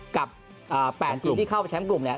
กับ๘ทีมที่เข้าไปแชมป์กลุ่มเนี่ย